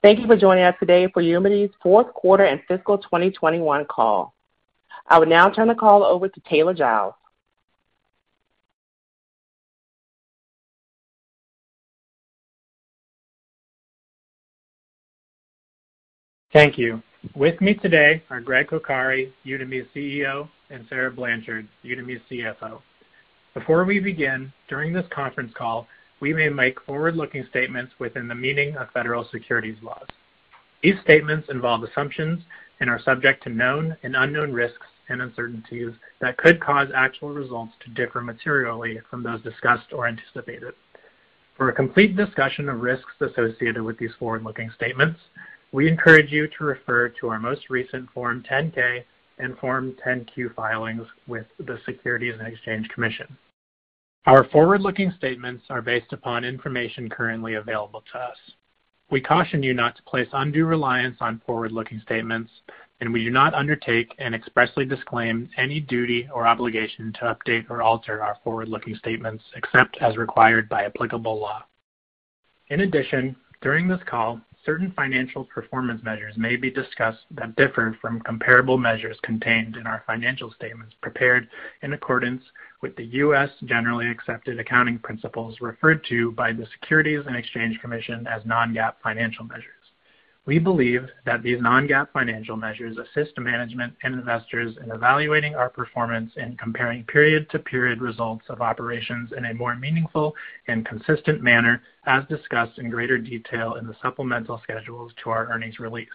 Thank you for joining us today for Udemy's Fourth Quarter and Fiscal 2021 Call. I will now turn the call over to Taylor Giles. Thank you. With me today are Gregg Coccari, Udemy's CEO, and Sarah Blanchard, Udemy's CFO. Before we begin, during this conference call, we may make forward-looking statements within the meaning of federal securities laws. These statements involve assumptions and are subject to known and unknown risks and uncertainties that could cause actual results to differ materially from those discussed or anticipated. For a complete discussion of risks associated with these forward-looking statements, we encourage you to refer to our most recent Form 10-K and Form 10-Q filings with the Securities and Exchange Commission. Our forward-looking statements are based upon information currently available to us. We caution you not to place undue reliance on forward-looking statements, and we do not undertake and expressly disclaim any duty or obligation to update or alter our forward-looking statements, except as required by applicable law. In addition, during this call, certain financial performance measures may be discussed that differ from comparable measures contained in our financial statements prepared in accordance with the U.S. generally accepted accounting principles referred to by the Securities and Exchange Commission as non-GAAP financial measures. We believe that these non-GAAP financial measures assist management and investors in evaluating our performance in comparing period-to-period results of operations in a more meaningful and consistent manner, as discussed in greater detail in the supplemental schedules to our earnings release.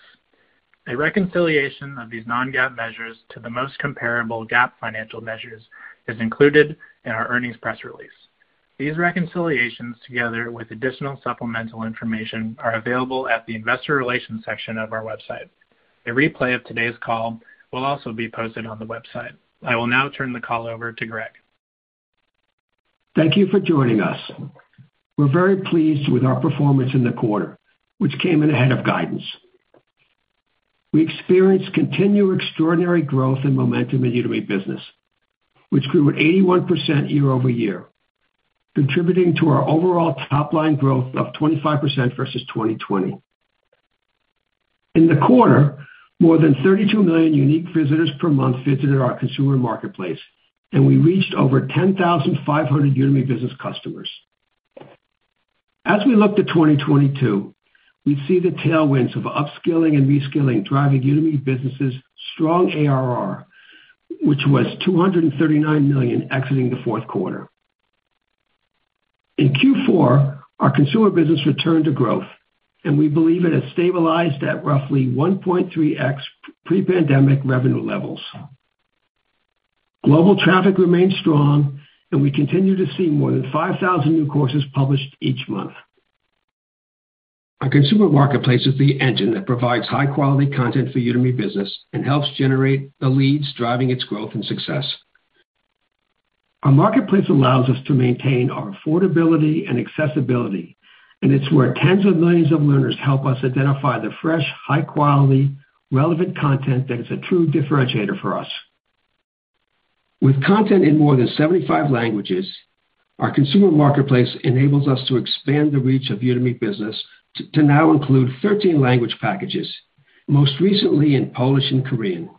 A reconciliation of these non-GAAP measures to the most comparable GAAP financial measures is included in our earnings press release. These reconciliations, together with additional supplemental information, are available at the investor relations section of our website. A replay of today's call will also be posted on the website. I will now turn the call over to Gregg. Thank you for joining us. We're very pleased with our performance in the quarter, which came in ahead of guidance. We experienced continued extraordinary growth and momentum in Udemy Business, which grew 81% year-over-year, contributing to our overall top line growth of 25% versus 2020. In the quarter, more than 32 million unique visitors per month visited our consumer marketplace, and we reached over 10,500 Udemy Business customers. As we look to 2022, we see the tailwinds of upskilling and reskilling driving Udemy Business' strong ARR, which was $239 million exiting the fourth quarter. In Q4, our consumer business returned to growth, and we believe it has stabilized at roughly 1.3x pre-pandemic revenue levels. Global traffic remains strong, and we continue to see more than 5,000 new courses published each month. Our consumer marketplace is the engine that provides high-quality content for Udemy Business and helps generate the leads driving its growth and success. Our marketplace allows us to maintain our affordability and accessibility, and it's where tens of millions of learners help us identify the fresh, high quality, relevant content that is a true differentiator for us. With content in more than 75 languages, our consumer marketplace enables us to expand the reach of Udemy Business to now include 13 language packages, most recently in Polish and Korean.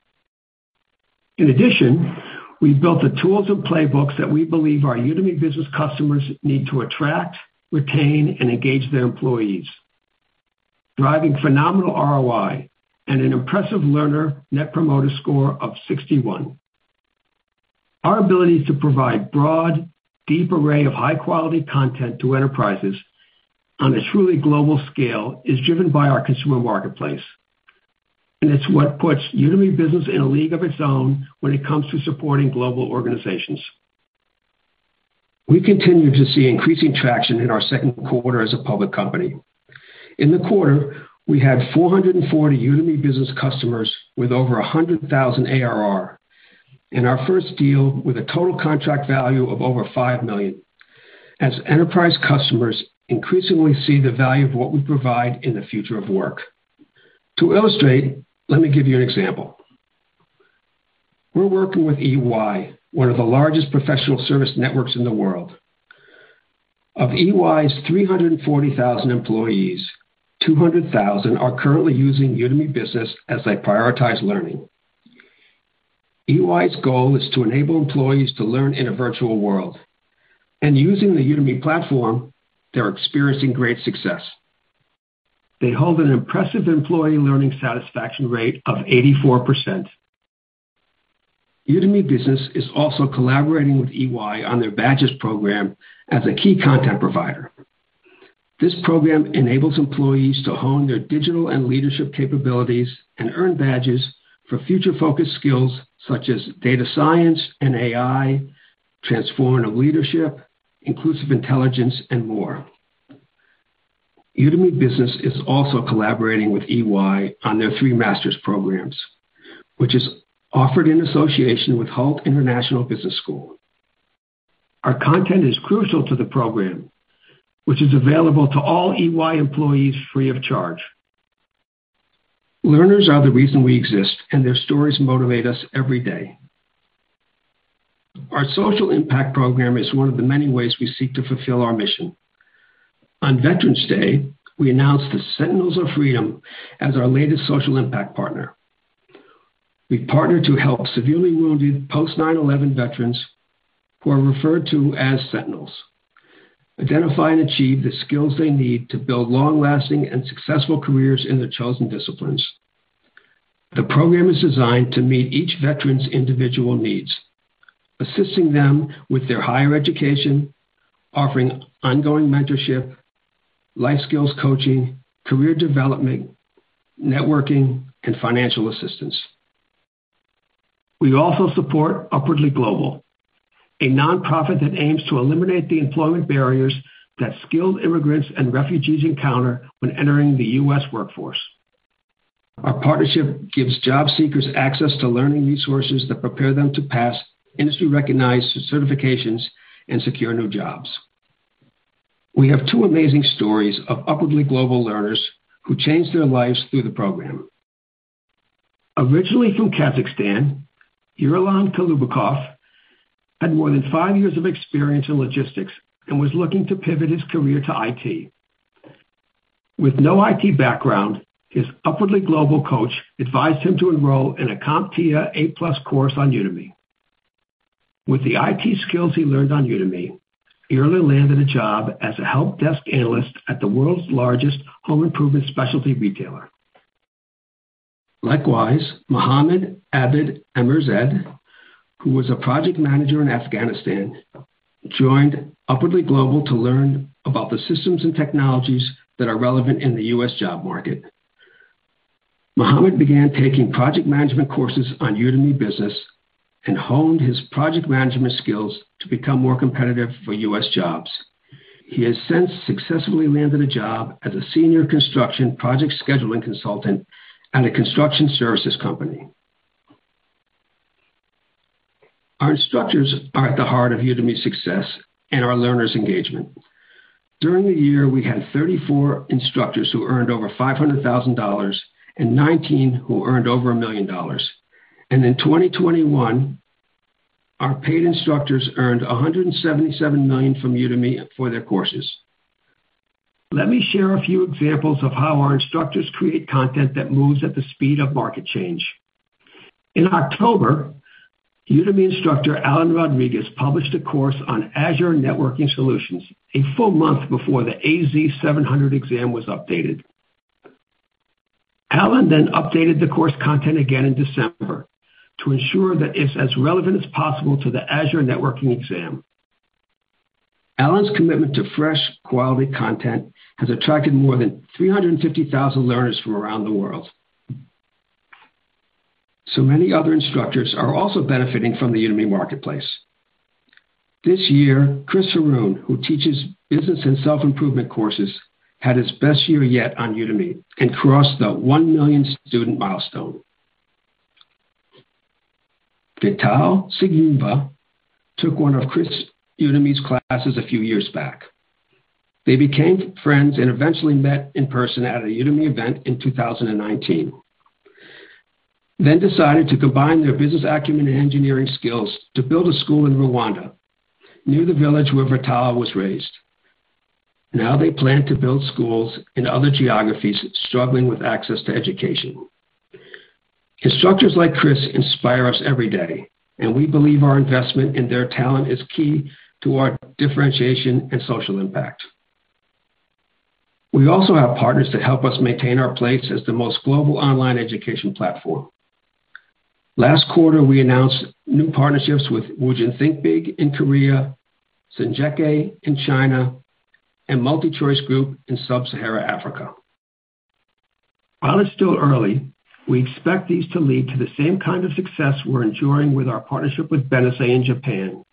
In addition, we've built the tools and playbooks that we believe our Udemy Business customers need to attract, retain, and engage their employees, driving phenomenal ROI and an impressive learner net promoter score of 61. Our ability to provide broad, deep array of high-quality content to enterprises on a truly global scale is driven by our consumer marketplace, and it's what puts Udemy Business in a league of its own when it comes to supporting global organizations. We continue to see increasing traction in our second quarter as a public company. In the quarter, we had 440 Udemy Business customers with over $100,000 ARR in our first deal with a total contract value of over $5 million as enterprise customers increasingly see the value of what we provide in the future of work. To illustrate, let me give you an example. We're working with EY, one of the largest professional services networks in the world. Of EY's 340,000 employees, 200,000 are currently using Udemy Business as they prioritize learning. EY's goal is to enable employees to learn in a virtual world. Using the Udemy platform, they're experiencing great success. They hold an impressive employee learning satisfaction rate of 84%. Udemy Business is also collaborating with EY on their badges program as a key content provider. This program enables employees to hone their digital and leadership capabilities and earn badges for future-focused skills such as data science and AI, transformational leadership, inclusive intelligence, and more. Udemy Business is also collaborating with EY on their free masters programs, which is offered in association with Hult International Business School. Our content is crucial to the program, which is available to all EY employees free of charge. Learners are the reason we exist, and their stories motivate us every day. Our social impact program is one of the many ways we seek to fulfill our mission. On Veterans Day, we announced the Sentinels of Freedom as our latest social impact partner. We partnered to help severely wounded post-9/11 veterans who are referred to as Sentinels, identify and achieve the skills they need to build long-lasting and successful careers in their chosen disciplines. The program is designed to meet each veteran's individual needs, assisting them with their higher education, offering ongoing mentorship, life skills coaching, career development, networking, and financial assistance. We also support Upwardly Global, a nonprofit that aims to eliminate the employment barriers that skilled immigrants and refugees encounter when entering the U.S. workforce. Our partnership gives job seekers access to learning resources that prepare them to pass industry-recognized certifications and secure new jobs. We have two amazing stories of Upwardly Global learners who changed their lives through the program. Originally from Kazakhstan, Uralan Kolubikov had more than five years of experience in logistics and was looking to pivot his career to IT. With no IT background, his Upwardly Global coach advised him to enroll in a CompTIA A+ course on Udemy. With the IT skills he learned on Udemy, Uralan landed a job as a help desk analyst at the world's largest home improvement specialty retailer. Likewise, Mohammed Abid Amirzad, who was a project manager in Afghanistan, joined Upwardly Global to learn about the systems and technologies that are relevant in the U.S. job market. Mohammed began taking project management courses on Udemy Business and honed his project management skills to become more competitive for U.S. jobs. He has since successfully landed a job as a senior construction project scheduling consultant at a construction services company. Our instructors are at the heart of Udemy's success and our learners' engagement. During the year, we had 34 instructors who earned over $500,000 and 19 who earned over $1 million. In 2021, our paid instructors earned $177 million from Udemy for their courses. Let me share a few examples of how our instructors create content that moves at the speed of market change. In October, Udemy instructor Alan Rodrigues published a course on Azure networking solutions, a full month before the AZ-700 exam was updated. Alan then updated the course content again in December to ensure that it's as relevant as possible to the Azure networking exam. Alan's commitment to fresh, quality content has attracted more than 350,000 learners from around the world. Many other instructors are also benefiting from the Udemy marketplace. This year, Chris Haroun, who teaches business and self-improvement courses, had his best year yet on Udemy and crossed the 1 million student milestone. Vital Siguimba took one of Chris' Udemy classes a few years back. They became friends and eventually met in person at a Udemy event in 2019, then decided to combine their business acumen and engineering skills to build a school in Rwanda, near the village where Vital was raised. Now they plan to build schools in other geographies struggling with access to education. Instructors like Chris inspire us every day, and we believe our investment in their talent is key to our differentiation and social impact. We also have partners to help us maintain our place as the most global online education platform. Last quarter, we announced new partnerships with Woongjin ThinkBig in Korea, Sanjieke in China, and MultiChoice Group in Sub-Saharan Africa. While it's still early, we expect these to lead to the same kind of success we're enjoying with our partnership with Benesse in Japan,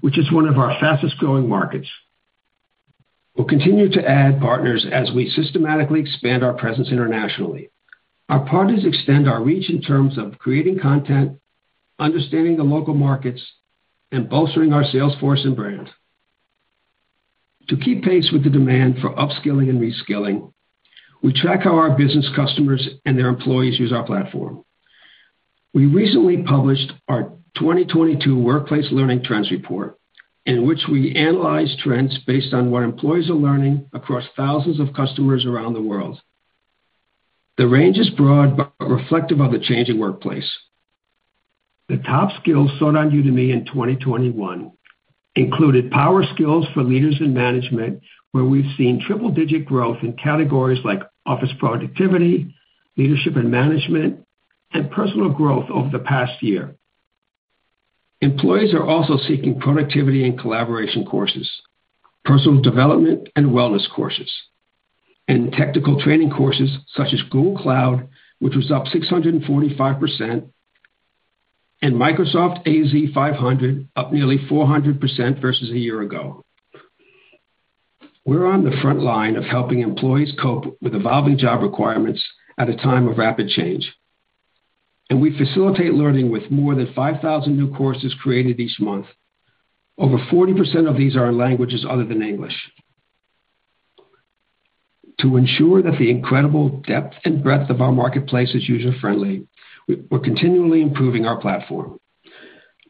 which is one of our fastest-growing markets. We'll continue to add partners as we systematically expand our presence internationally. Our partners extend our reach in terms of creating content, understanding the local markets, and bolstering our sales force and brand. To keep pace with the demand for upskilling and reskilling, we track how our business customers and their employees use our platform. We recently published our 2022 Workplace Learning Trends report, in which we analyze trends based on what employees are learning across thousands of customers around the world. The range is broad but reflective of the changing workplace. The top skills sold on Udemy in 2021 included power skills for leaders in management, where we've seen triple-digit growth in categories like office productivity, leadership and management, and personal growth over the past year. Employees are also seeking productivity and collaboration courses, personal development and wellness courses, and technical training courses such as Google Cloud, which was up 645%, and Microsoft AZ-500, up nearly 400% versus a year ago. We're on the front line of helping employees cope with evolving job requirements at a time of rapid change. We facilitate learning with more than 5,000 new courses created each month. Over 40% of these are in languages other than English. To ensure that the incredible depth and breadth of our marketplace is user-friendly, we're continually improving our platform.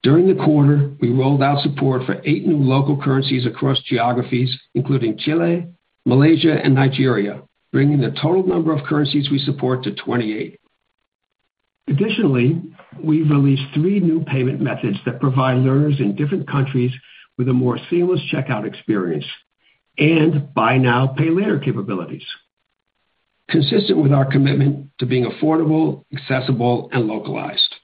During the quarter, we rolled out support for 8 new local currencies across geographies, including Chile, Malaysia, and Nigeria, bringing the total number of currencies we support to 28. Additionally, we've released 3 new payment methods that provide learners in different countries with a more seamless checkout experience and buy now, pay later capabilities, consistent with our commitment to being affordable, accessible, and localized.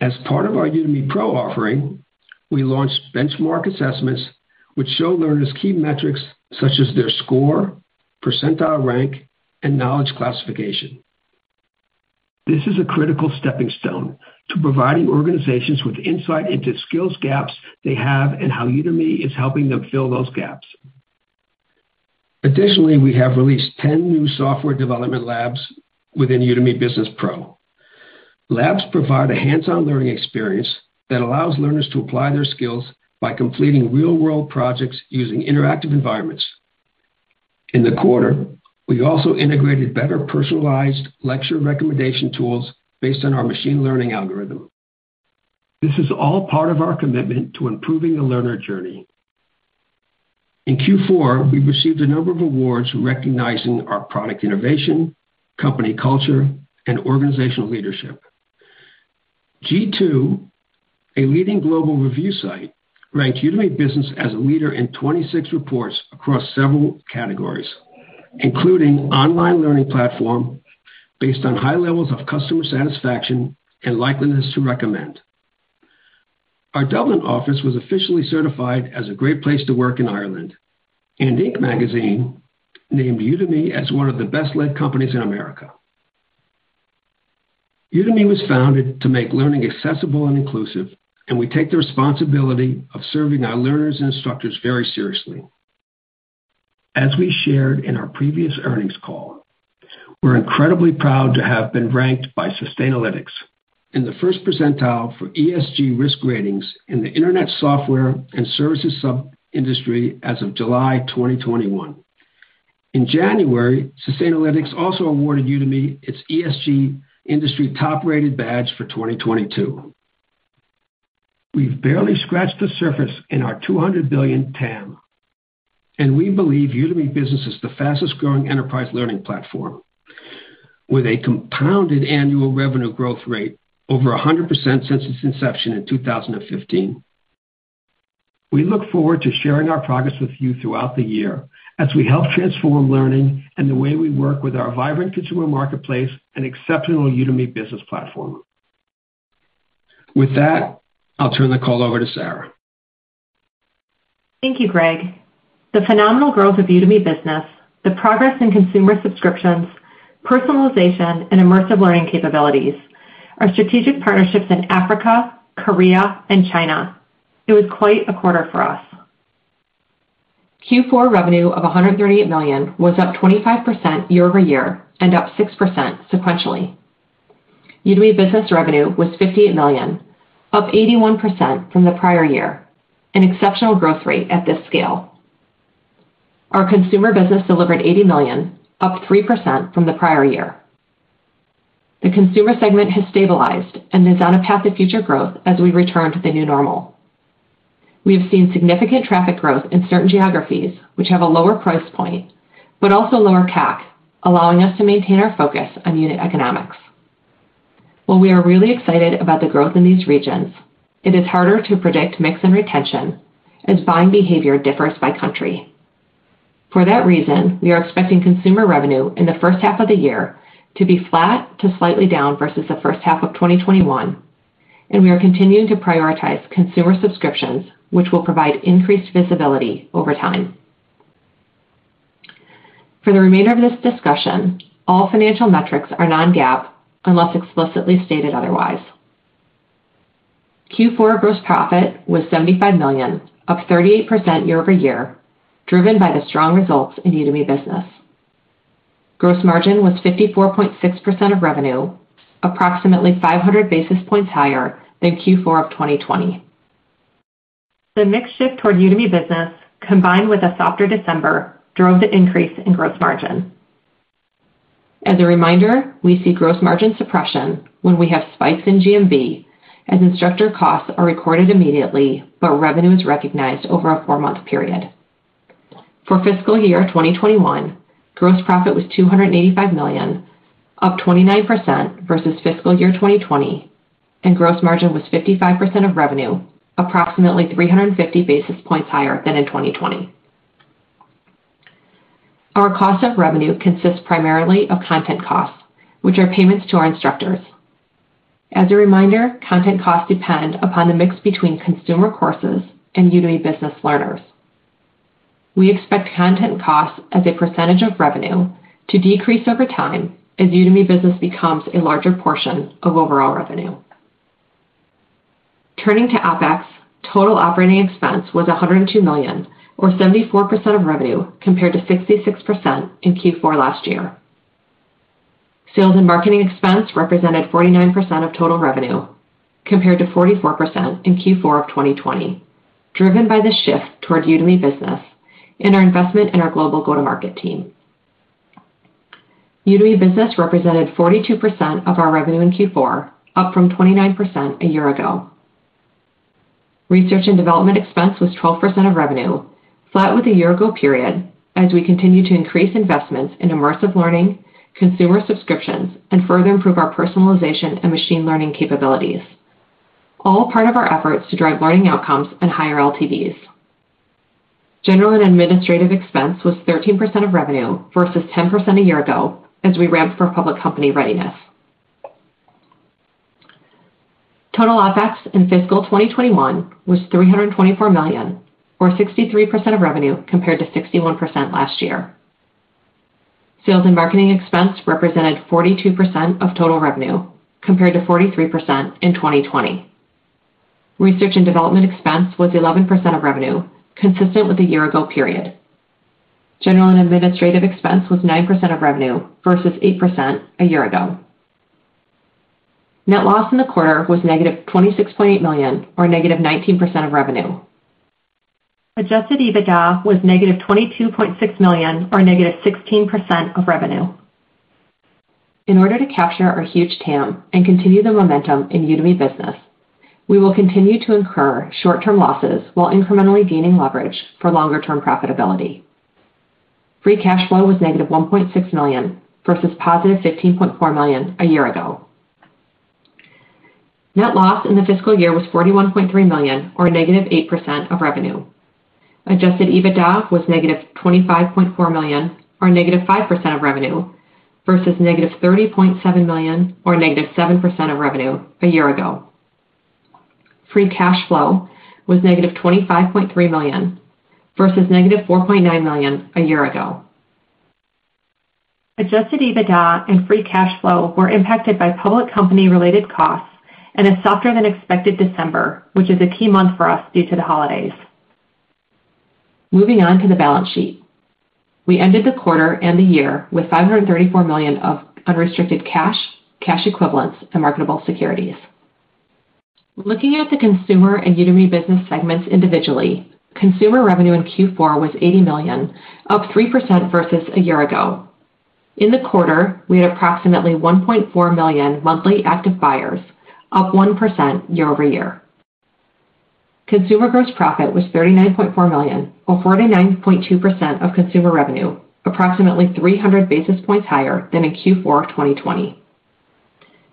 As part of our Udemy Pro offering, we launched benchmark assessments which show learners key metrics such as their score, percentile rank, and knowledge classification. This is a critical stepping stone to providing organizations with insight into skills gaps they have and how Udemy is helping them fill those gaps. Additionally, we have released 10 new software development labs within Udemy Business Pro. Labs provide a hands-on learning experience that allows learners to apply their skills by completing real-world projects using interactive environments. In the quarter, we also integrated better personalized lecture recommendation tools based on our machine learning algorithm. This is all part of our commitment to improving the learner journey. In Q4, we received a number of awards recognizing our product innovation, company culture, and organizational leadership. G2, a leading global review site, ranked Udemy Business as a leader in 26 reports across several categories, including online learning platform based on high levels of customer satisfaction and likeliness to recommend. Our Dublin office was officially certified as a great place to work in Ireland, and Inc. magazine named Udemy as one of the best-led companies in America. Udemy was founded to make learning accessible and inclusive, and we take the responsibility of serving our learners and instructors very seriously. As we shared in our previous earnings call, we're incredibly proud to have been ranked by Sustainalytics in the first percentile for ESG risk ratings in the internet software and services sub-industry as of July 2021. In January, Sustainalytics also awarded Udemy its ESG industry top-rated badge for 2022. We've barely scratched the surface in our $200 billion TAM, and we believe Udemy Business is the fastest-growing enterprise learning platform with a compounded annual revenue growth rate over 100% since its inception in 2015. We look forward to sharing our progress with you throughout the year as we help transform learning and the way we work with our vibrant consumer marketplace and exceptional Udemy Business platform. With that, I'll turn the call over to Sarah. Thank you, Gregg. The phenomenal growth of Udemy Business, the progress in consumer subscriptions, personalization, and immersive learning capabilities, our strategic partnerships in Africa, Korea, and China, it was quite a quarter for us. Q4 revenue of $138 million was up 25% year-over-year and up 6% sequentially. Udemy Business revenue was $58 million, up 81% from the prior year, an exceptional growth rate at this scale. Our consumer business delivered $80 million, up 3% from the prior year. The consumer segment has stabilized and is on a path to future growth as we return to the new normal. We have seen significant traffic growth in certain geographies, which have a lower price point, but also lower CAC, allowing us to maintain our focus on unit economics. While we are really excited about the growth in these regions, it is harder to predict mix and retention as buying behavior differs by country. For that reason, we are expecting consumer revenue in the first half of the year to be flat to slightly down versus the first half of 2021, and we are continuing to prioritize consumer subscriptions, which will provide increased visibility over time. For the remainder of this discussion, all financial metrics are non-GAAP, unless explicitly stated otherwise. Q4 gross profit was $75 million, up 38% year-over-year, driven by the strong results in Udemy Business. Gross margin was 54.6% of revenue, approximately 500 basis points higher than Q4 of 2020. The mix shift toward Udemy Business, combined with a softer December, drove the increase in gross margin. As a reminder, we see gross margin suppression when we have spikes in GMV, as instructor costs are recorded immediately, but revenue is recognized over a four-month period. For fiscal year 2021, gross profit was $285 million, up 29% versus fiscal year 2020, and gross margin was 55% of revenue, approximately 350 basis points higher than in 2020. Our cost of revenue consists primarily of content costs, which are payments to our instructors. As a reminder, content costs depend upon the mix between consumer courses and Udemy Business learners. We expect content costs as a percentage of revenue to decrease over time as Udemy Business becomes a larger portion of overall revenue. Turning to OpEx, total operating expense was $102 million or 74% of revenue, compared to 66% in Q4 last year. Sales and marketing expense represented 49% of total revenue compared to 44% in Q4 of 2020, driven by the shift towards Udemy Business and our investment in our global go-to-market team. Udemy Business represented 42% of our revenue in Q4, up from 29% a year ago. Research and Development expense was 12% of revenue, flat with a year ago period as we continue to increase investments in immersive learning, consumer subscriptions, and further improve our personalization and machine learning capabilities, all part of our efforts to drive learning outcomes and higher LTVs. General and administrative expense was 13% of revenue versus 10% a year ago as we ramped for public company readiness. Total OpEx in fiscal 2021 was $324 million, or 63% of revenue compared to 61% last year. Sales and marketing expense represented 42% of total revenue compared to 43% in 2020. Research and development expense was 11% of revenue, consistent with the year ago period. General and administrative expense was 9% of revenue versus 8% a year ago. Net loss in the quarter was -$26.8 million or -19% of revenue. Adjusted EBITDA was -$22.6 million or negative 16% of revenue. In order to capture our huge TAM and continue the momentum in Udemy Business, we will continue to incur short-term losses while incrementally gaining leverage for longer term profitability. Free cash flow was -$1.6 million versus +$15.4 million a year ago. Net loss in the fiscal year was $41.3 million or -8% of revenue. Adjusted EBITDA was -$25.4 million or -5% of revenue versus -$30.7 million or -7% of revenue a year ago. Free cash flow was -$25.3 million versus -$4.9 million a year ago. Adjusted EBITDA and free cash flow were impacted by public company-related costs and a softer than expected December, which is a key month for us due to the holidays. Moving on to the balance sheet. We ended the quarter and the year with $534 million of unrestricted cash equivalents, and marketable securities. Looking at the consumer and Udemy Business segments individually, consumer revenue in Q4 was $80 million, up 3% versus a year ago. In the quarter, we had approximately 1.4 million monthly active buyers, up 1% year-over-year. Consumer gross profit was $39.4 million or 49.2% of consumer revenue, approximately 300 basis points higher than in Q4 of 2020.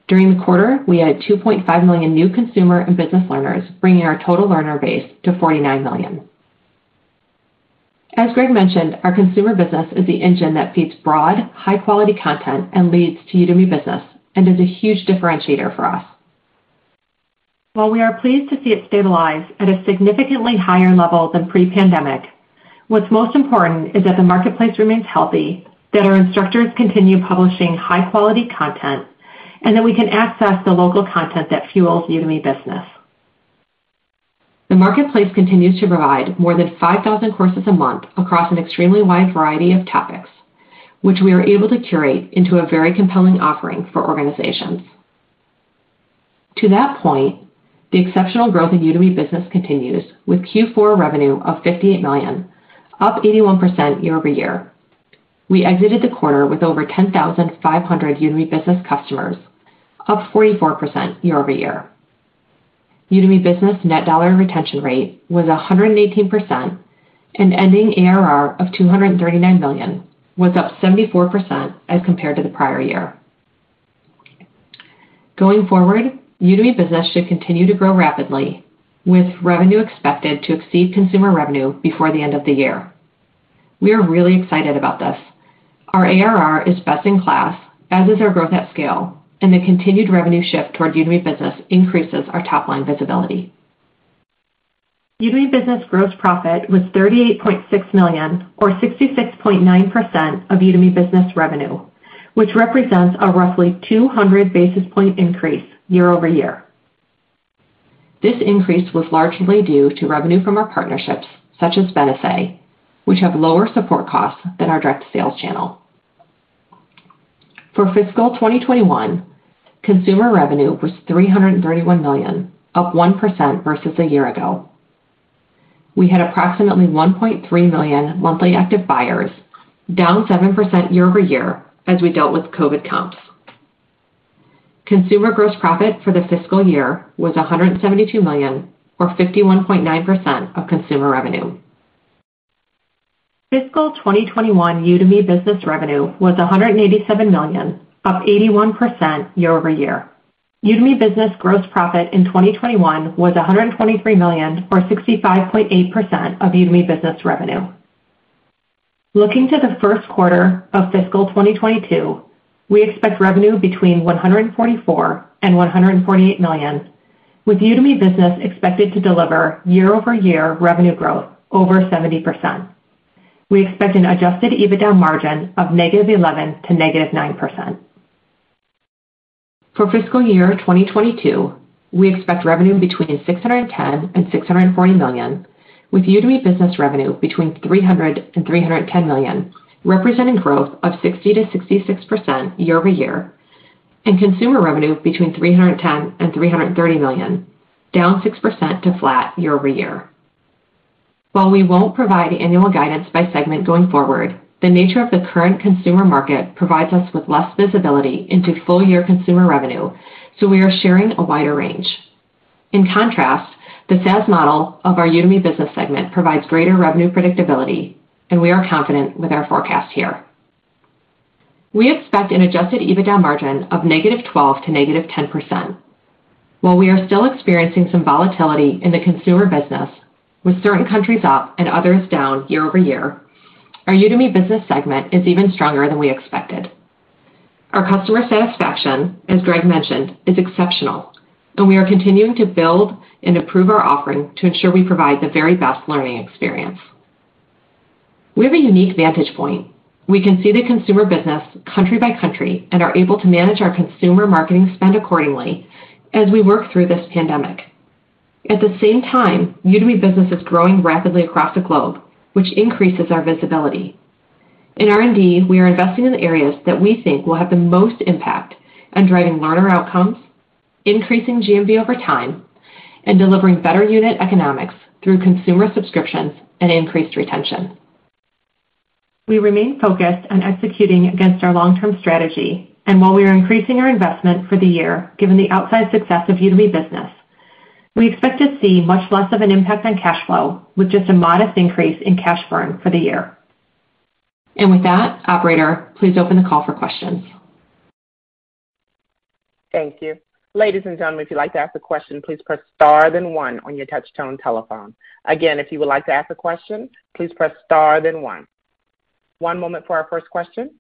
During the quarter, we had 2.5 million new consumer and business learners, bringing our total learner base to 49 million. As Gregg mentioned, our consumer business is the engine that feeds broad, high-quality content and leads to Udemy Business and is a huge differentiator for us. While we are pleased to see it stabilize at a significantly higher level than pre-pandemic, what's most important is that the marketplace remains healthy, that our instructors continue publishing high-quality content, and that we can access the local content that fuels Udemy Business. The marketplace continues to provide more than 5,000 courses a month across an extremely wide variety of topics, which we are able to curate into a very compelling offering for organizations. To that point, the exceptional growth in Udemy Business continues with Q4 revenue of $58 million, up 81% year-over-year. We exited the quarter with over 10,500 Udemy Business customers, up 44% year-over-year. Udemy Business net dollar retention rate was 118%, and ending ARR of $239 million was up 74% as compared to the prior year. Going forward, Udemy Business should continue to grow rapidly with revenue expected to exceed consumer revenue before the end of the year. We are really excited about this. Our ARR is best in class, as is our growth at scale, and the continued revenue shift towards Udemy Business increases our top-line visibility. Udemy Business gross profit was $38.6 million or 66.9% of Udemy Business revenue, which represents a roughly 200 basis point increase year-over-year. This increase was largely due to revenue from our partnerships such as Benesse, which have lower support costs than our direct sales channel. For fiscal 2021, consumer revenue was $331 million, up 1% versus a year ago. We had approximately 1.3 million monthly active buyers, down 7% year-over-year. Consumer gross profit for the fiscal year was $172 million or 51.9% of consumer revenue. Fiscal 2021 Udemy Business revenue was $187 million, up 81% year-over-year. Udemy Business gross profit in 2021 was $123 million or 65.8% of Udemy Business revenue. Looking to the first quarter of fiscal 2022, we expect revenue between $144 million and $148 million, with Udemy Business expected to deliver year-over-year revenue growth over 70%. We expect an adjusted EBITDA margin of negative 11% to negative 9%. For fiscal year 2022, we expect revenue between $610 million and $640 million, with Udemy Business revenue between $300 million and $310 million, representing growth of 60%-66% year-over-year, and consumer revenue between $310 million and $330 million, down 6% to flat year-over-year. While we won't provide annual guidance by segment going forward, the nature of the current consumer market provides us with less visibility into full-year consumer revenue, so we are sharing a wider range. In contrast, the SaaS model of our Udemy Business segment provides greater revenue predictability, and we are confident with our forecast here. We expect an adjusted EBITDA margin of -12%-10%. While we are still experiencing some volatility in the consumer business, with certain countries up and others down year-over-year, our Udemy Business segment is even stronger than we expected. Our customer satisfaction, as Gregg mentioned, is exceptional, and we are continuing to build and improve our offering to ensure we provide the very best learning experience. We have a unique vantage point. We can see the consumer business country by country and are able to manage our consumer marketing spend accordingly as we work through this pandemic. At the same time, Udemy Business is growing rapidly across the globe, which increases our visibility. In R&D, we are investing in the areas that we think will have the most impact on driving learner outcomes, increasing GMV over time, and delivering better unit economics through consumer subscriptions and increased retention. We remain focused on executing against our long-term strategy. While we are increasing our investment for the year, given the outside success of Udemy Business, we expect to see much less of an impact on cash flow, with just a modest increase in cash burn for the year. With that, operator, please open the call for questions. Thank you. Ladies and gentlemen, if you'd like to ask a question, please press star then one on your touch-tone telephone. Again, if you would like to ask a question, please press star then one. One moment for our first question.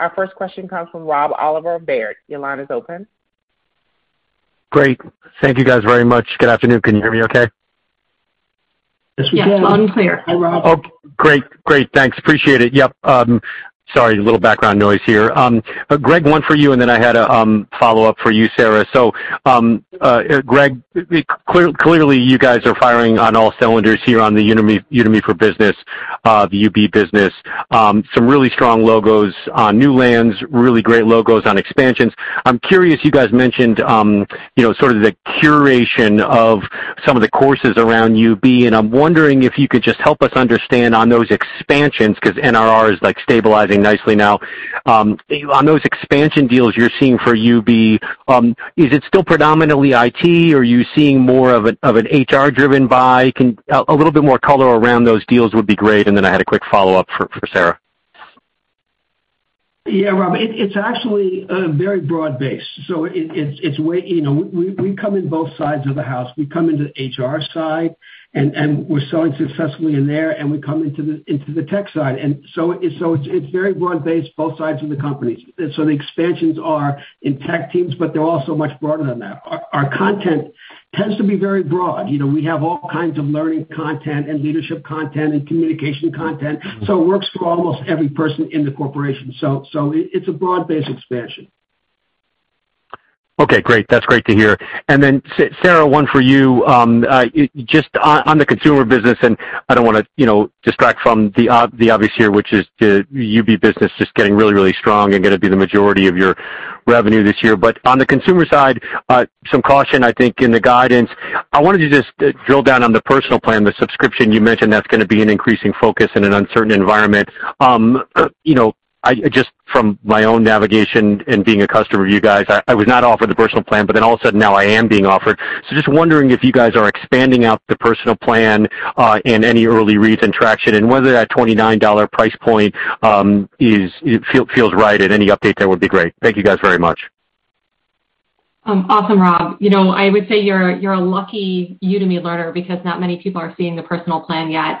Our first question comes from Rob Oliver of Baird. Your line is open. Great. Thank you guys very much. Good afternoon. Can you hear me okay? Yes, loud and clear. Yes, we can. Oh, great. Thanks. Appreciate it. Yep. Sorry, a little background noise here. Gregg, one for you, and then I had a follow-up for you, Sarah. Gregg, clearly, you guys are firing on all cylinders here on the Udemy Business, the UB business. Some really strong logos on new lands, really great logos on expansions. I'm curious, you guys mentioned, you know, sort of the curation of some of the courses around UB, and I'm wondering if you could just help us understand on those expansions, 'cause ARR is, like, stabilizing nicely now. On those expansion deals you're seeing for UB, is it still predominantly IT, or are you seeing more of an HR-driven by, a little bit more color around those deals would be great, and then I had a quick follow-up for Sarah. Yeah, Rob, it's actually a very broad base. You know, we come in both sides of the house. We come into the HR side, and we're selling successfully in there, and we come into the tech side. It's very broad-based, both sides of the companies. The expansions are in tech teams, but they're also much broader than that. Our content tends to be very broad. You know, we have all kinds of learning content and leadership content and communication content, so it works for almost every person in the corporation. It's a broad-based expansion. Okay, great. That's great to hear. Then Sarah, one for you. Just on the consumer business, and I don't wanna, you know, distract from the obvious here, which is the UB business just getting really strong and gonna be the majority of your revenue this year. On the consumer side, some caution, I think, in the guidance. I wanted to just drill down on the Personal Plan, the subscription. You mentioned that's gonna be an increasing focus in an uncertain environment. You know, I just from my own navigation and being a customer of you guys, I was not offered the Personal Plan, but then all of a sudden now I am being offered. Just wondering if you guys are expanding out the Personal Plan, and any early reads and traction, and whether that $29 price point feels right, and any update there would be great. Thank you guys very much. Awesome, Rob. You know, I would say you're a lucky Udemy learner because not many people are seeing the Personal Plan yet.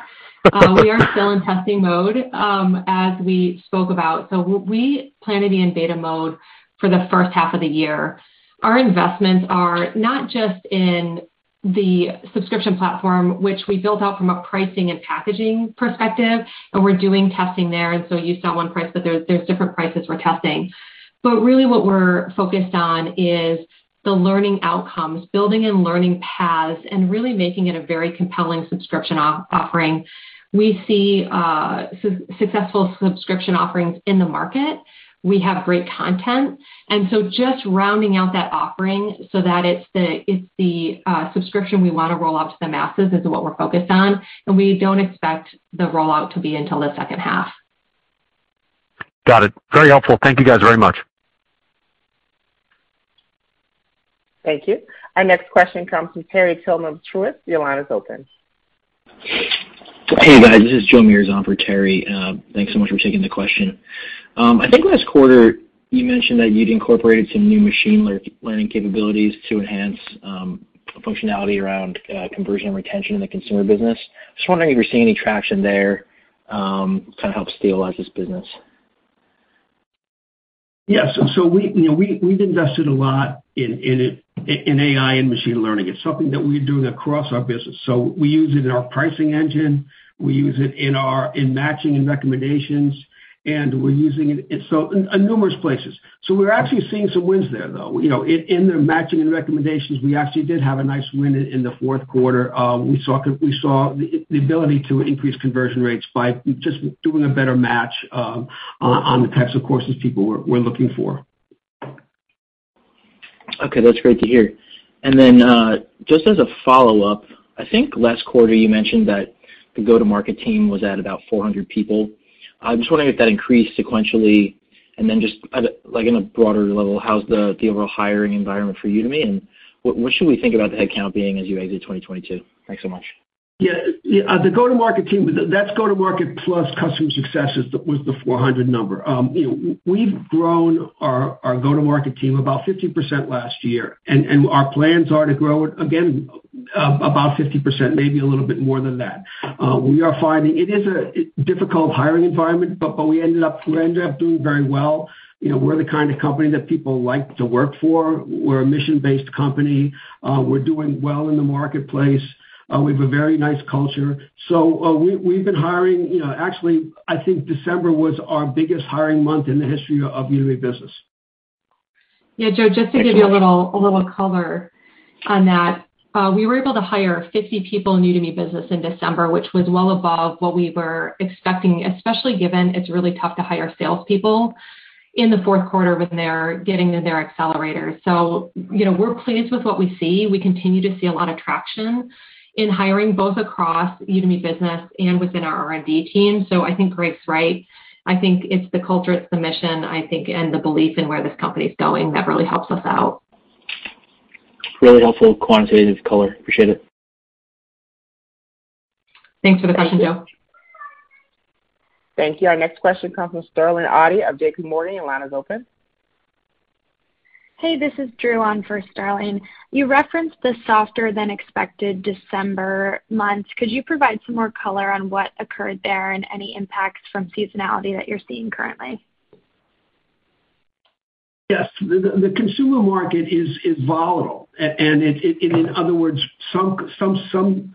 We are still in testing mode, as we spoke about. We plan to be in beta mode for the first half of the year. Our investments are not just in the subscription platform, which we built out from a pricing and packaging perspective, and we're doing testing there. You saw one price, but there's different prices we're testing. Really what we're focused on is the learning outcomes, building in learning paths, and really making it a very compelling subscription offering. We see successful subscription offerings in the market. We have great content. Just rounding out that offering so that it's the subscription we wanna roll out to the masses is what we're focused on, and we don't expect the rollout to be until the second half. Got it. Very helpful. Thank you guys very much. Thank you. Our next question comes from Terry Tillman of Truist. Your line is open. Hey, guys. This is Joe Ramirez on for Terry. Thanks so much for taking the question. I think last quarter you mentioned that you'd incorporated some new machine learning capabilities to enhance functionality around conversion and retention in the consumer business. Just wondering if you're seeing any traction there to kind of help stabilize this business. Yes. We've invested a lot in AI and machine learning. It's something that we're doing across our business. We use it in our pricing engine. We use it in matching and recommendations, and we're using it in numerous places. We're actually seeing some wins there, though. In the matching and recommendations, we actually did have a nice win in the fourth quarter. We saw the ability to increase conversion rates by just doing a better match on the types of courses people were looking for. Okay, that's great to hear. Just as a follow-up, I think last quarter you mentioned that the go-to-market team was at about 400 people. I'm just wondering if that increased sequentially. Just at a like in a broader level, how's the overall hiring environment for Udemy? What should we think about the headcount being as you exit 2022? Thanks so much. Yeah, the go-to-market team, that's go-to-market plus customer success was the 400 number. You know, we've grown our go-to-market team about 50% last year, and our plans are to grow it again about 50%, maybe a little bit more than that. We are finding it is a difficult hiring environment, but we ended up doing very well. You know, we're the kind of company that people like to work for. We're a mission-based company. We're doing well in the marketplace. We have a very nice culture. So, we've been hiring. You know, actually, I think December was our biggest hiring month in the history of Udemy Business. Yeah, Joe, just to give you a little color on that. We were able to hire 50 people in Udemy Business in December, which was well above what we were expecting, especially given it's really tough to hire salespeople in the fourth quarter when they're getting to their accelerators. You know, we're pleased with what we see. We continue to see a lot of traction in hiring, both across Udemy Business and within our R&D team. I think Gregg's right. I think it's the culture, it's the mission, I think, and the belief in where this company is going that really helps us out. Really helpful quantitative color. Appreciate it. Thanks for the question, Joe. Thank you. Our next question comes from Sterling Auty of JP Morgan. Your line is open. Hey, this is Drew on for Sterling. You referenced the softer than expected December month. Could you provide some more color on what occurred there and any impacts from seasonality that you're seeing currently? Yes. The consumer market is volatile. In other words, the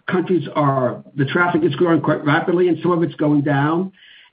traffic is growing quite rapidly and some of it's going down.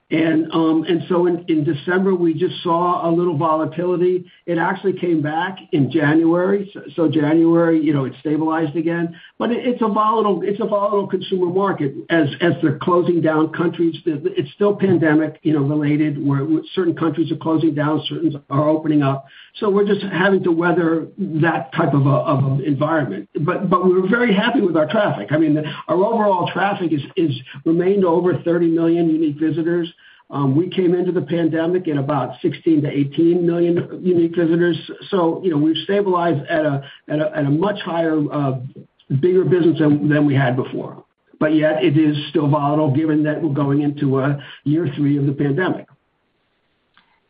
In December, we just saw a little volatility. It actually came back in January. In January, you know, it stabilized again. It's a volatile consumer market. As they're closing down countries, it's still pandemic, you know, related, where certain countries are closing down, certain are opening up. We're just having to weather that type of environment. We're very happy with our traffic. I mean, our overall traffic is remained over 30 million unique visitors. We came into the pandemic at about 16-18 million unique visitors. You know, we've stabilized at a much higher, bigger business than we had before. Yet it is still volatile given that we're going into year three of the pandemic.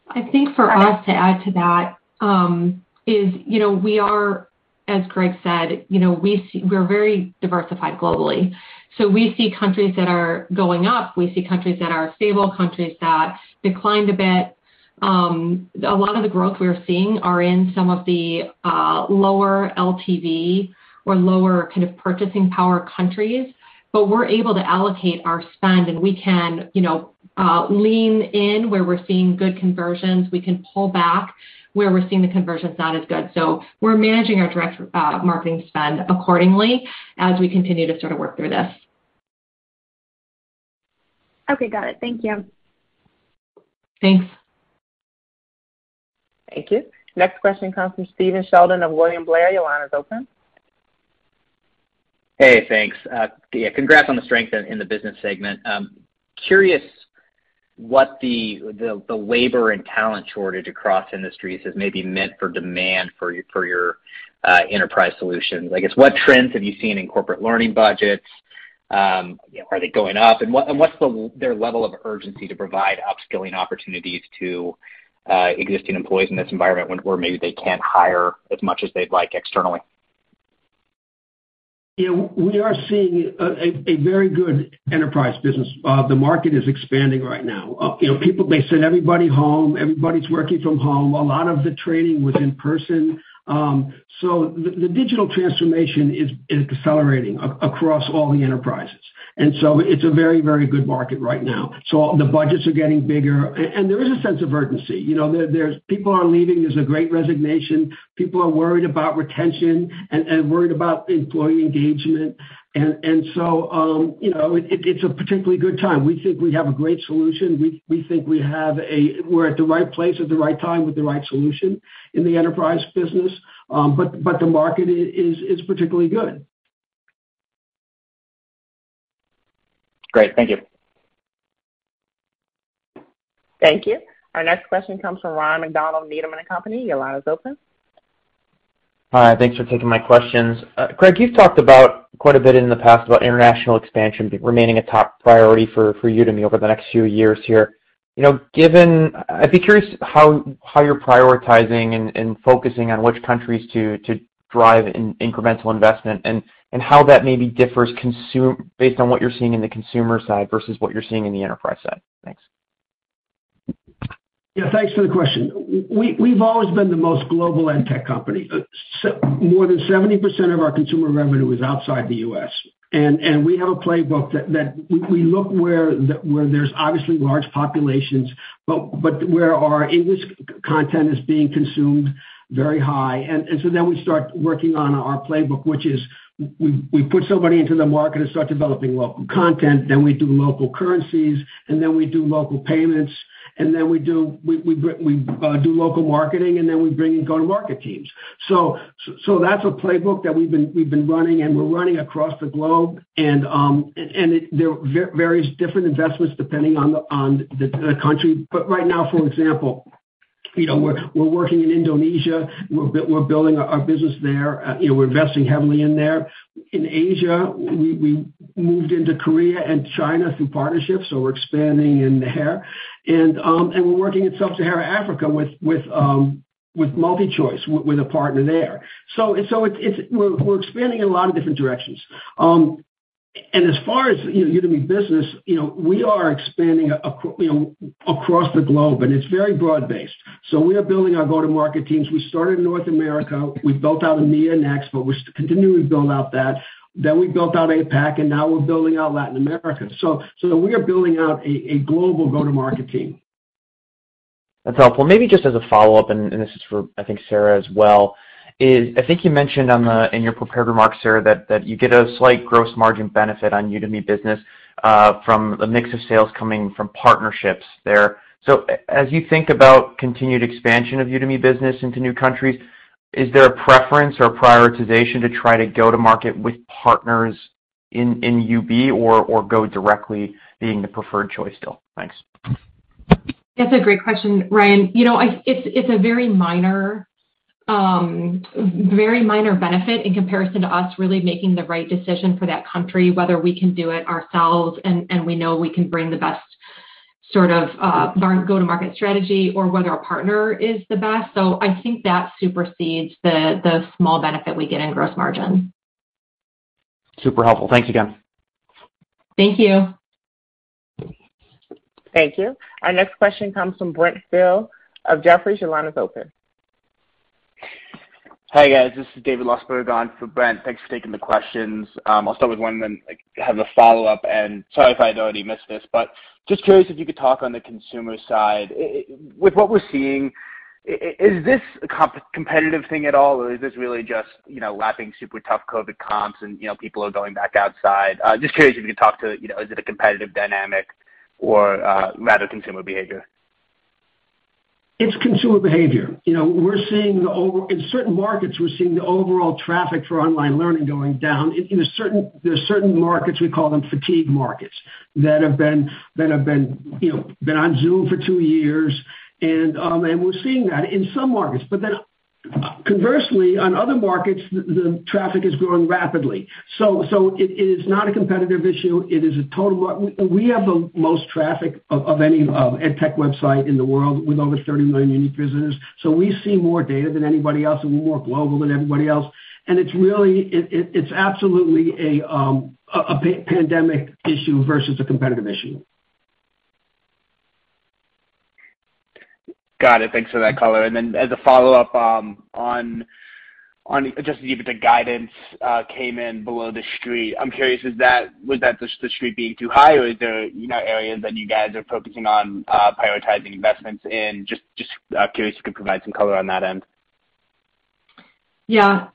I think for us to add to that, you know, we are, as Gregg said, you know, we see we're very diversified globally. We see countries that are going up. We see countries that are stable, countries that declined a bit. A lot of the growth we are seeing are in some of the lower LTV or lower kind of purchasing power countries. But we're able to allocate our spend, and we can, you know, lean in where we're seeing good conversions. We can pull back where we're seeing the conversions not as good. We're managing our direct marketing spend accordingly as we continue to sort of work through this. Okay, got it. Thank you. Thanks. Thank you. Next question comes from Stephen Sheldon of William Blair. Your line is open. Hey, thanks. Yeah, congrats on the strength in the business segment. Curious what the labor and talent shortage across industries has maybe meant for demand for your enterprise solutions. I guess, what trends have you seen in corporate learning budgets? Are they going up? What's their level of urgency to provide upskilling opportunities to existing employees in this environment where maybe they can't hire as much as they'd like externally? You know, we are seeing a very good enterprise business. The market is expanding right now. You know, people, they sent everybody home. Everybody's working from home. A lot of the training was in person. The digital transformation is accelerating across all the enterprises. It's a very good market right now. The budgets are getting bigger. There is a sense of urgency. You know, there's people are leaving. There's a great resignation. People are worried about retention and worried about employee engagement. You know, it's a particularly good time. We think we have a great solution. We're at the right place at the right time with the right solution in the enterprise business. The market is particularly good. Great. Thank you. Thank you. Our next question comes from Ryan MacDonald, Needham & Company. Your line is open. Hi. Thanks for taking my questions. Greg, you've talked about quite a bit in the past about international expansion remaining a top priority for Udemy over the next few years here. You know, I'd be curious how you're prioritizing and focusing on which countries to drive in incremental investment and how that maybe differs based on what you're seeing in the consumer side versus what you're seeing in the enterprise side. Thanks. Yeah, thanks for the question. We've always been the most global ed tech company. More than 70% of our consumer revenue is outside the U.S. We have a playbook that we look where there's obviously large populations, but where our English content is being consumed very high. We start working on our playbook, which is we put somebody into the market and start developing local content, then we do local currencies, and then we do local payments, and then we do local marketing, and then we bring in go-to-market teams. That's a playbook that we've been running and we're running across the globe. There are various different investments depending on the country. Right now, for example, you know, we're working in Indonesia. We're building our business there. You know, we're investing heavily there. In Asia, we moved into Korea and China through partnerships, so we're expanding there. And we're working in Sub-Saharan Africa with MultiChoice, a partner there. We're expanding in a lot of different directions. And as far as, you know, Udemy Business, you know, we are expanding, you know, across the globe, and it's very broad-based. We are building our go-to-market teams. We started in North America. We built out EMEA next, but we're continuing to build out that. We built out APAC, and now we're building out Latin America. We are building out a global go-to-market team. That's helpful. Maybe just as a follow-up, this is for, I think, Sarah as well. I think you mentioned in your prepared remarks, Sarah, that you get a slight gross margin benefit on Udemy Business from the mix of sales coming from partnerships there. So as you think about continued expansion of Udemy Business into new countries, is there a preference or prioritization to try to go to market with partners in UB or go directly being the preferred choice still? Thanks. That's a great question, Ryan. You know, it's a very minor benefit in comparison to us really making the right decision for that country, whether we can do it ourselves and we know we can bring the best sort of go-to-market strategy or whether a partner is the best. I think that supersedes the small benefit we get in gross margin. Super helpful. Thanks again. Thank you. Thank you. Our next question comes from Brent Thill of Jefferies. Your line is open. Hi, guys. This is David Shlosberg on for Brent. Thanks for taking the questions. I'll start with one then, like, have a follow-up. Sorry if I already missed this, but just curious if you could talk on the consumer side. With what we're seeing, is this a competitive thing at all, or is this really just, you know, lapping super tough COVID comps and, you know, people are going back outside? Just curious if you could talk to, you know, is it a competitive dynamic or rather consumer behavior? It's consumer behavior. You know, in certain markets, we're seeing the overall traffic for online learning going down. There are certain markets we call them fatigue markets that have been, you know, been on Zoom for two years. We're seeing that in some markets. Conversely, in other markets, the traffic is growing rapidly. It is not a competitive issue. We have the most traffic of any tech website in the world with over 30 million unique visitors. We see more data than anybody else, and we're more global than everybody else. It's really, it's absolutely a pandemic issue versus a competitive issue. Got it. Thanks for that color. As a follow-up, on just even the guidance came in below the street. I'm curious, was that just the street being too high, or is there, you know, areas that you guys are focusing on prioritizing investments in? Just curious if you could provide some color on that end. Yeah.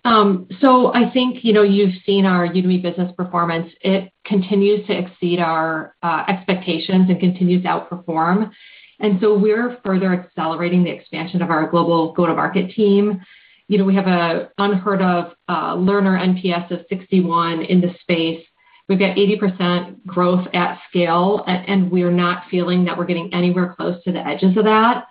So I think, you know, you've seen our Udemy Business performance. It continues to exceed our expectations and continues to outperform. We're further accelerating the expansion of our global go-to-market team. You know, we have an unheard of learner NPS of 61 in the space. We've got 80% growth at scale, and we're not feeling that we're getting anywhere close to the edges of that.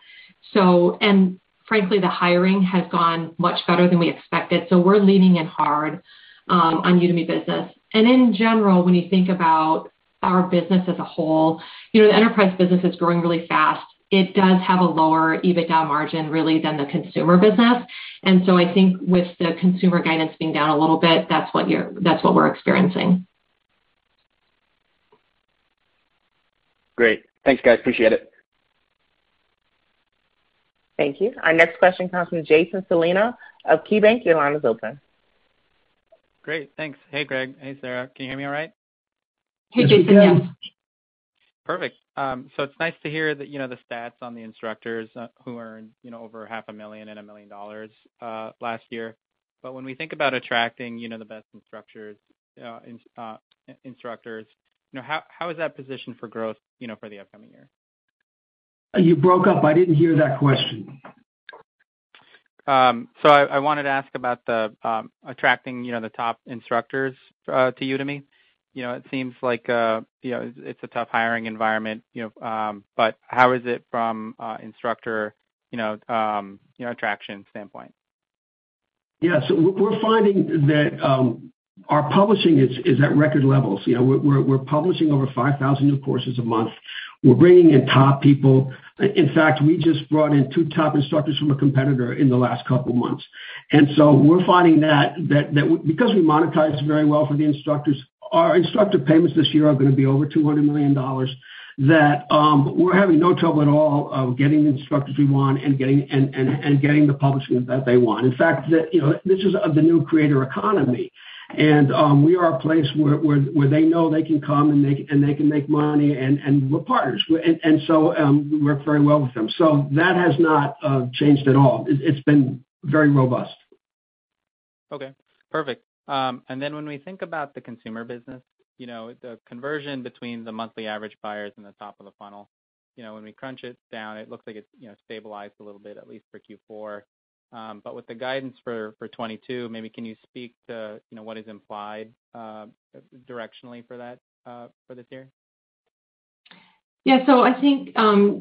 Frankly, the hiring has gone much better than we expected. We're leaning in hard on Udemy Business. In general, when you think about our business as a whole, you know, the enterprise business is growing really fast. It does have a lower EBITDA margin really than the consumer business. I think with the consumer guidance being down a little bit, that's what we're experiencing. Great. Thanks, guys. Appreciate it. Thank you. Our next question comes from Jason Celino of KeyBanc Capital Markets. Your line is open. Great, thanks. Hey, Greg. Hey, Sarah. Can you hear me all right? Hey, Jason. Yes. Yes. Perfect. So it's nice to hear that, you know, the stats on the instructors who earned, you know, over half a million dollars and $1 million last year. When we think about attracting, you know, the best instructors, you know, how is that positioned for growth, you know, for the upcoming year? You broke up. I didn't hear that question. I wanted to ask about attracting, you know, the top instructors to Udemy. You know, it seems like, you know, it's a tough hiring environment, you know, but how is it from a instructor, you know, attraction standpoint? Yeah. We're finding that our publishing is at record levels. You know, we're publishing over 5,000 new courses a month. We're bringing in top people. In fact, we just brought in two top instructors from a competitor in the last couple months. We're finding that because we monetize very well for the instructors, our instructor payments this year are gonna be over $200 million. We're having no trouble at all getting the instructors we want and getting the publishing that they want. In fact, you know, this is of the new creator economy. We are a place where they know they can come, and they can make money, and we're partners. We work very well with them. That has not changed at all. It’s been very robust. Okay. Perfect. When we think about the consumer business, you know, the conversion between the monthly average buyers and the top of the funnel, you know, when we crunch it down, it looks like it's, you know, stabilized a little bit, at least for Q4. With the guidance for 2022, maybe can you speak to, you know, what is implied directionally for that, for this year? Yeah. I think,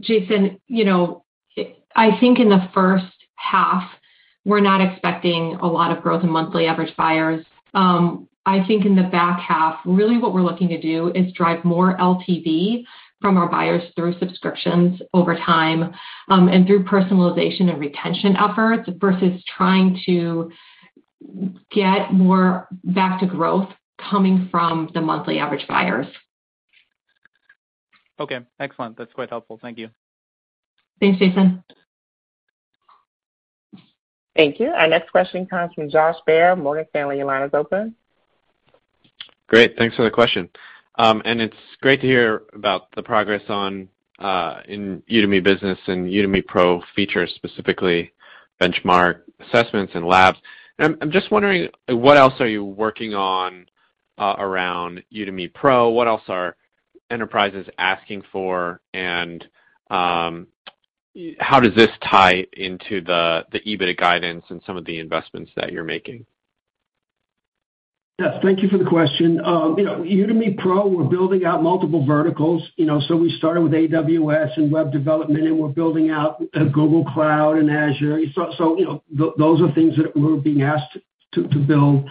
Jason, you know, I think in the first half, we're not expecting a lot of growth in monthly average buyers. I think in the back half, really what we're looking to do is drive more LTV from our buyers through subscriptions over time, and through personalization and retention efforts versus trying to get more back to growth coming from the monthly average buyers. Okay. Excellent. That's quite helpful. Thank you. Thanks, Jason. Thank you. Our next question comes from Josh Baer, Morgan Stanley. Your line is open. Great. Thanks for the question. It's great to hear about the progress on in Udemy Business and Udemy Pro features, specifically benchmark assessments and labs. I'm just wondering, what else are you working on around Udemy Pro? What else are enterprises asking for? How does this tie into the EBITDA guidance and some of the investments that you're making? Yes. Thank you for the question. You know, Udemy Pro, we're building out multiple verticals. You know, we started with AWS and web development, and we're building out Google Cloud and Azure. You know, those are things that we're being asked to build,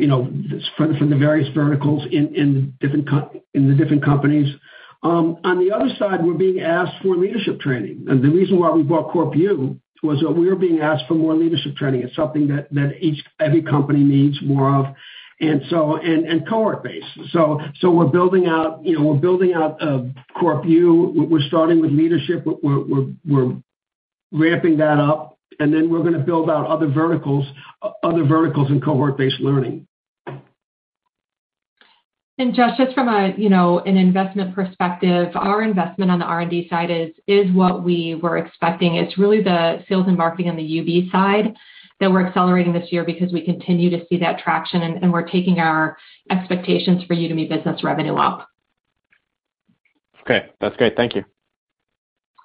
you know, from the various verticals in the different companies. On the other side, we're being asked for leadership training. The reason why we bought CorpU was that we were being asked for more leadership training. It's something that every company needs more of, and cohort-based. We're building out, you know, CorpU. We're starting with leadership. We're ramping that up, and then we're gonna build out other verticals in cohort-based learning. Josh, just from a, you know, an investment perspective, our investment on the R&D side is what we were expecting. It's really the sales and marketing on the UB side that we're accelerating this year because we continue to see that traction, and we're taking our expectations for Udemy Business revenue up. Okay. That's great. Thank you.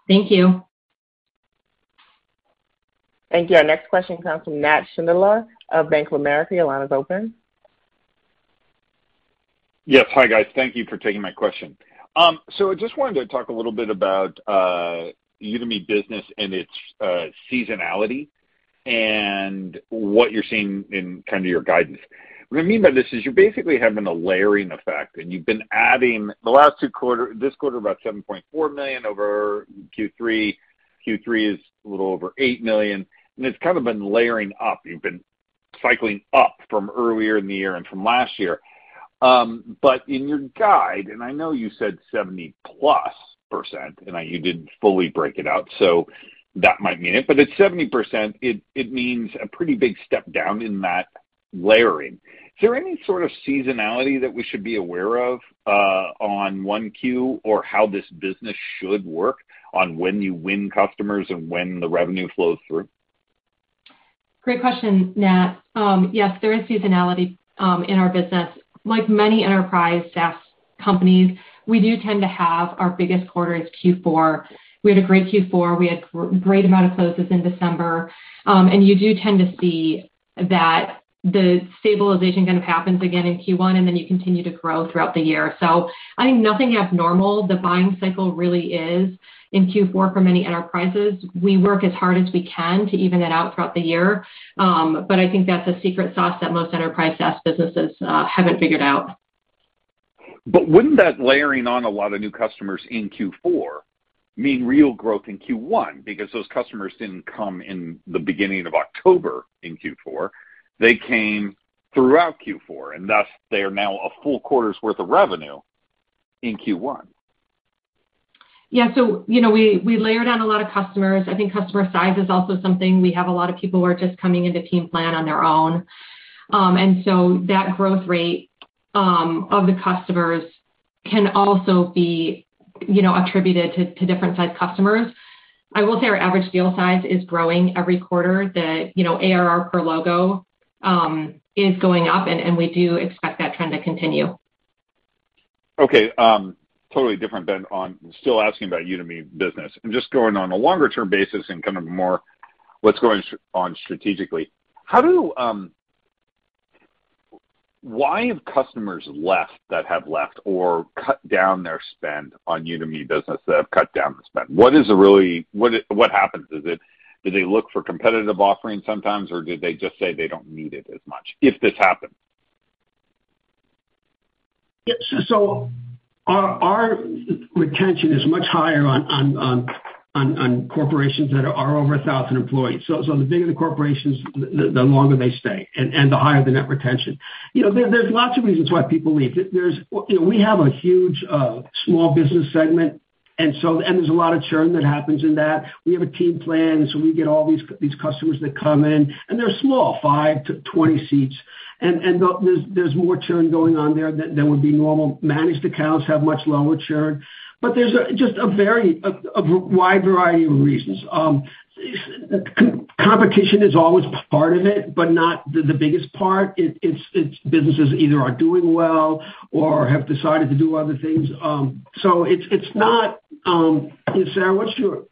Thank you. Thank you. Our next question comes from Nat Schindler of Bank of America. Your line is open. Yes. Hi, guys. Thank you for taking my question. So I just wanted to talk a little bit about Udemy Business and its seasonality and what you're seeing in kind of your guidance. What I mean by this is you basically have been a layering effect, and you've been adding this quarter about $7.4 million over Q3. Q3 is a little over $8 million, and it's kind of been layering up. You've been cycling up from earlier in the year and from last year. In your guidance, and I know you said 70%+, and you didn't fully break it out, so that might mean it. At 70%, it means a pretty big step down in that layering. Is there any sort of seasonality that we should be aware of, on 1Q or how this business should work on when you win customers and when the revenue flows through? Great question, Nat. Yes, there is seasonality in our business. Like many enterprise SaaS companies, we do tend to have our biggest quarter is Q4. We had a great Q4. We had great amount of closes in December. You do tend to see that the stabilization kind of happens again in Q1, and then you continue to grow throughout the year. I think nothing abnormal. The buying cycle really is in Q4 for many enterprises. We work as hard as we can to even it out throughout the year. I think that's a secret sauce that most enterprise SaaS businesses haven't figured out. Wouldn't that layering on a lot of new customers in Q4 mean real growth in Q1 because those customers didn't come in the beginning of October in Q4, they came throughout Q4, and thus they are now a full quarter's worth of revenue in Q1. Yeah. You know, we layered on a lot of customers. I think customer size is also something. We have a lot of people who are just coming into team plan on their own. That growth rate of the customers can also be, you know, attributed to different size customers. I will say our average deal size is growing every quarter. You know, ARR per logo is going up, and we do expect that trend to continue. Okay. Totally different than on, still asking about Udemy Business and just going on a longer term basis and kind of more what's going on strategically. Why have customers left that have left or cut down their spend on Udemy Business that have cut down the spend? What happens? Is it do they look for competitive offerings sometimes, or do they just say they don't need it as much if this happens? Yeah. Our retention is much higher on corporations that are over 1,000 employees. The bigger the corporations, the longer they stay and the higher the net retention. You know, there are lots of reasons why people leave. You know, we have a huge small business segment and so and there's a lot of churn that happens in that. We have a team plan, so we get all these customers that come in, and they're small, 5-20 seats. There's more churn going on there than would be normal. Managed accounts have much lower churn. There's just a very wide variety of reasons. Competition is always part of it, but not the biggest part. It's businesses either are doing well or have decided to do other things. It's not, Sarah, what's your-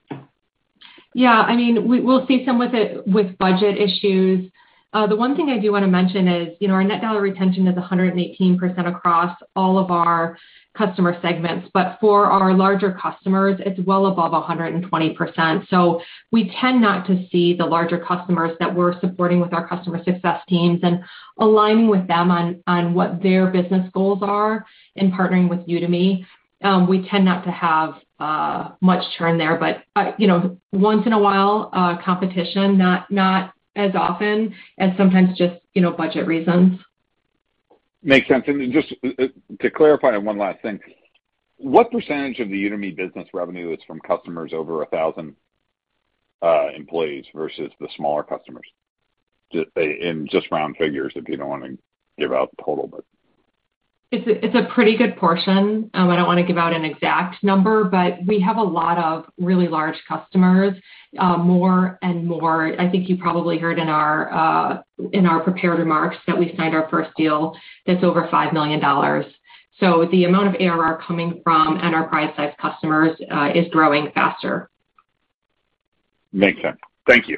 Yeah, I mean, we'll see some with budget issues. The one thing I do wanna mention is, you know, our net dollar retention is 118% across all of our customer segments, but for our larger customers, it's well above 120%. We tend not to see the larger customers that we're supporting with our customer success teams and aligning with them on what their business goals are in partnering with Udemy. We tend not to have much churn there. You know, once in a while, competition, not as often, and sometimes just, you know, budget reasons. Makes sense. Just to clarify on one last thing, what percentage of the Udemy business revenue is from customers over 1,000 employees versus the smaller customers? Just in just round figures, if you don't wanna give out the total, but. It's a pretty good portion. I don't wanna give out an exact number, but we have a lot of really large customers, more and more. I think you probably heard in our prepared remarks that we signed our first deal that's over $5 million. The amount of ARR coming from enterprise-sized customers is growing faster. Makes sense. Thank you.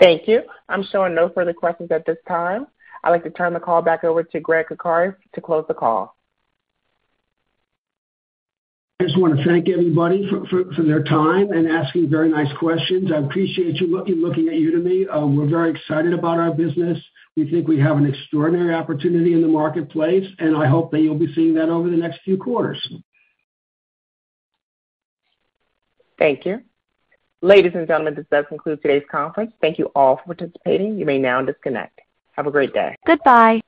Thank you. I'm showing no further questions at this time. I'd like to turn the call back over to Gregg Coccari to close the call. I just wanna thank everybody for their time and asking very nice questions. I appreciate you looking at Udemy. We're very excited about our business. We think we have an extraordinary opportunity in the marketplace, and I hope that you'll be seeing that over the next few quarters. Thank you. Ladies and gentlemen, this does conclude today's conference. Thank you all for participating. You may now disconnect. Have a great day. Goodbye.